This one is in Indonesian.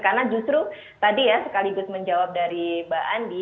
karena justru tadi ya sekaligus menjawab dari mbak andi